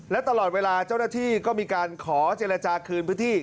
และตลอดเวลาเจ้าหน้าที่ก็มีการขอเจรจาคืนพื้นที่